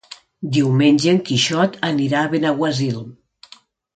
Diumenge en Quixot anirà a Benaguasil.